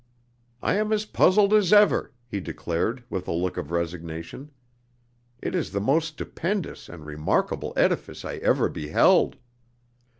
"I am as puzzled as ever," he declared, with a look of resignation. "It is the most stupendous and remarkable edifice I ever beheld!"